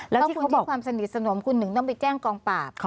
ถ้าคุณมีความสนิทสนมคุณหนึ่งต้องไปแจ้งกองปราบ